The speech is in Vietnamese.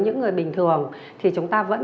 những người bình thường thì chúng ta vẫn